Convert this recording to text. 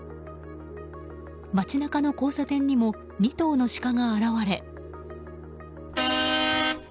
街中の交差点にも２頭のシカが現れ。